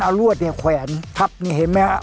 เอารวดเนี่ยแขวนทับนี่เห็นไหมฮะ